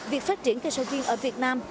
việc phát triển cây sầu riêng ở việt nam